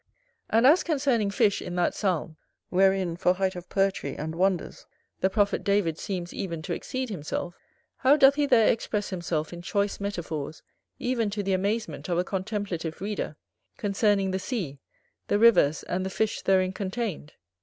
And as concerning fish, in that psalm, wherein, for height of poetry and wonders, the prophet David seems even to exceed himself, how doth he there express himself in choice metaphors, even to the amazement of a contemplative reader, concerning the sea, the rivers, and the fish therein contained!